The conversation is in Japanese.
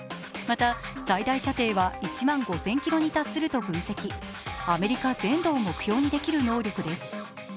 また、最大射程は１５０００ｋｍに達するとしアメリカ全土を目標にできる能力です。